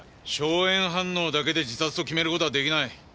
硝煙反応だけで自殺と決める事は出来ない。